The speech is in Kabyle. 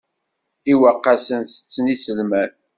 Iweqqasen tetten iselman.